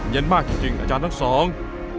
เย็นมากจริงจริงอาจารย์ทั้งสอง